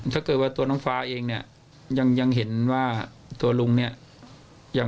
ถ้าเกิดว่าตัวน้องฟ้าเองเนี่ยยังเห็นว่าตัวลุงเนี่ยยัง